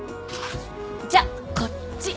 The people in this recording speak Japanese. じゃあこっち。